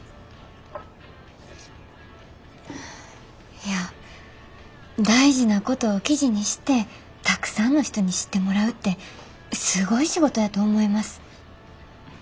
いや大事なことを記事にしてたくさんの人に知ってもらうってすごい仕事やと思います。